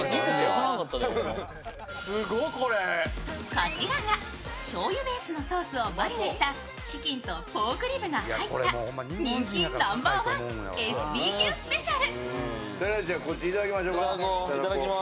こちらが、しょうゆベースのソースをマリネしたチキンとポークリブが入った人気ナンバーワン、ＳＢＱスペシャル。